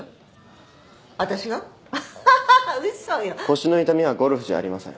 腰の痛みはゴルフじゃありません。